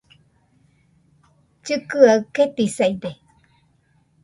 Llikɨaɨ ketisaide